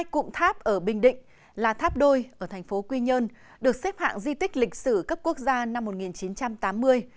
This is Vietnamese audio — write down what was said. hai cụm tháp ở bình định là tháp đôi ở thành phố quy nhơn được xếp hạng di tích lịch sử cấp quốc gia năm một nghìn chín trăm tám mươi